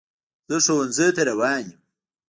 زه ښوونځي ته روان یم.